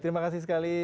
terima kasih sekali